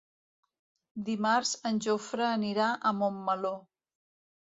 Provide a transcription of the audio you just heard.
Dimarts en Jofre anirà a Montmeló.